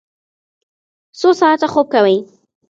څو ساعته خوب کوئ؟